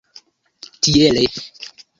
tiele